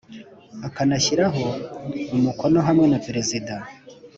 akanayishyiraho umukono hamwe na Perezida